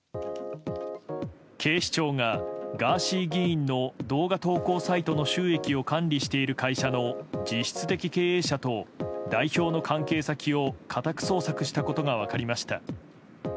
警視庁がガーシー議員の動画投稿サイトの収益を管理している会社の実質的経営者と代表の関係先を家宅捜索したことが分かりました。